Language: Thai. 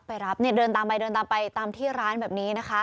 ไปรับเดินตามไปตามที่ร้านแบบนี้นะคะ